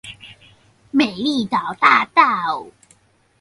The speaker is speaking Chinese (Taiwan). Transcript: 美麗島大道